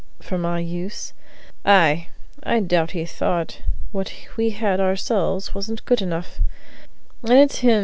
"For my use?" "Ay; I doubt he thought what we had ourselves wasn't good enough.